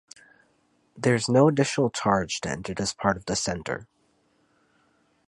There is no additional charge to enter this part of the centre.